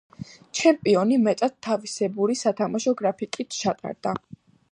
ჩემპიონატი მეტად თავისებური სათამაშო გრაფიკით ჩატარდა.